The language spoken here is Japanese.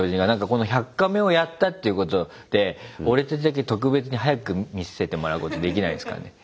この「１００カメ」をやったっていうことで俺たちだけ特別に早く見せてもらうことできないんですかね。